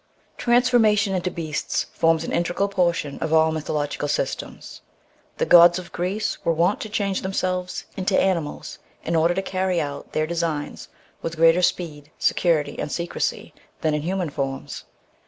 Transformation into beasts forms an integral portion of all mythological systems. The gods of Greece were wont to change themselves into animals in order to carry out their designs with greater speed, security, and secrecy, than in human forms.